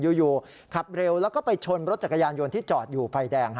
อยู่ขับเร็วแล้วก็ไปชนรถจักรยานยนต์ที่จอดอยู่ไฟแดง